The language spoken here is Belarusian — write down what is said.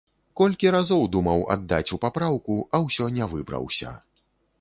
Колькі разоў думаў аддаць у папраўку, а ўсё не выбраўся.